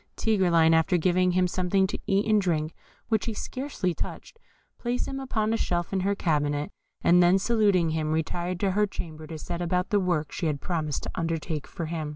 Tigreline, after giving him something to eat and to drink, which he scarcely touched, placed him upon a shelf in her cabinet, and then saluting him, retired to her chamber to set about the work she had promised to undertake for him.